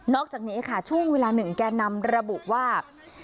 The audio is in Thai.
นอกจากนี้ค่ะช่วงเวลา๑แกนนำระบุว่า